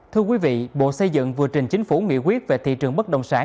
thưa quý vị bộ xây dựng vừa trình chính phủ nghị quyết về thị trường bất động sản